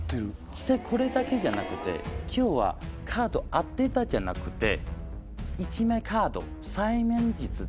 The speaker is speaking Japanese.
これだけじゃなくて今日はカード当てたじゃなくて。